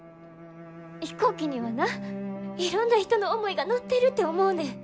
飛行機にはないろんな人の思いが乗ってるて思うねん。